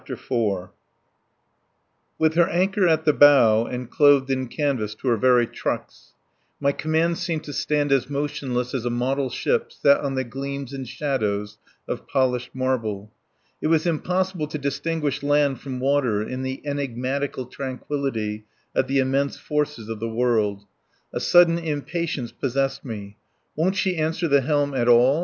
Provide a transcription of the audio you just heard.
PART TWO IV With her anchor at the bow and clothed in canvas to her very trucks, my command seemed to stand as motionless as a model ship set on the gleams and shadows of polished marble. It was impossible to distinguish land from water in the enigmatical tranquillity of the immense forces of the world. A sudden impatience possessed me. "Won't she answer the helm at all?"